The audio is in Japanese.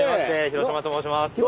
廣島と申します。